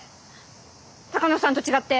鷹野さんと違って。